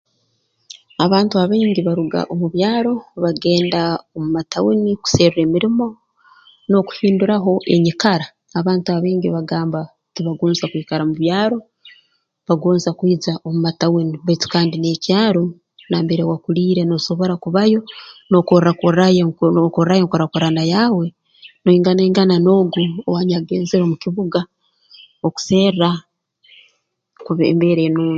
Abantu abaingi baruga omu byaro bagenda omu matauni kuserra emirimo n'okuhinduraho enyikara abantu abaingi bagamba tibagonza kwikara mu byaro bagonza kwija omu matauni baitu kandi n'ekyaro nambere wakuliire noosobora kubayo nookorra korraayo nookorraayo enkurakurana yaawe noinganaingana noogu owanyakugenzere omu kibuga okuserra kuba embeera enung